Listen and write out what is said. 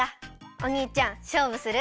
おにいちゃんしょうぶする？